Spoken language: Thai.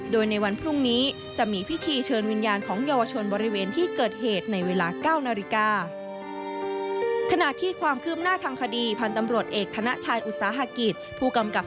โดยในวันพรุ่งนี้จะมีพิธีเชิญวิญญาณของเยาวชนบริเวณที่เกิดเหตุในเวลา๙นาฬิกา